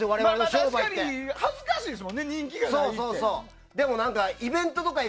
確かに恥ずかしいですもんね